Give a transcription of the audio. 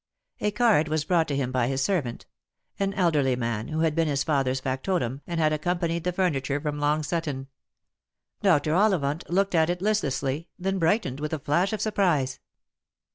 A card was brought him by his servant — an elderly man, who had been his father's factotum, and had accompanied the furni ture from Long Sutton. Dr. Ollivant looked at it listlessly, then brightened with a flash of surprise.